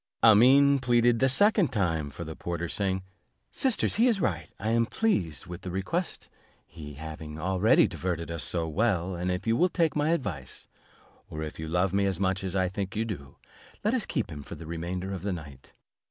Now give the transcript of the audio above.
Amene pleaded the second time for the porter, saying, "Sisters, he is right, I am pleased with the request, he having already diverted us so well; and, if you will take my advice, or if you love me as much as I think you do, let us keep him for the remainder of the night."